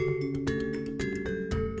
siji loro telur sampai lalu